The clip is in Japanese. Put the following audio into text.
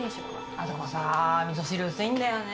あそこさみそ汁薄いんだよね。